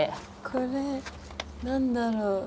これ何だろう？